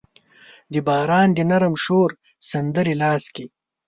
د باران د نرم شور سندرې لاس کې